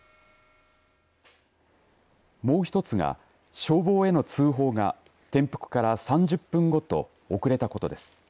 もう１つが消防への通報が転覆から３０分後と遅れたことです。